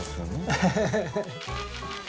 アハハハハ。